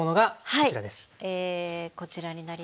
こちらになります。